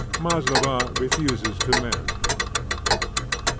MASLOVA REFUSES TO MARRY.